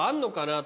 って